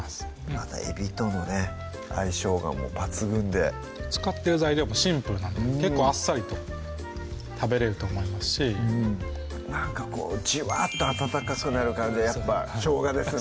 またえびとのね相性が抜群で使ってる材料もシンプルなので結構あっさりと食べれると思いますしこうじわっと温かくなる感じはやっぱしょうがですね